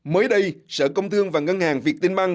mới đây sở công thương và ngân hàng việt tinh bang